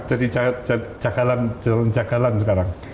jadi jagalan sekarang